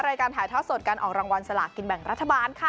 รายการถ่ายทอดสดการออกรางวัลสลากินแบ่งรัฐบาลค่ะ